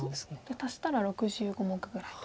足したら６５目ぐらい。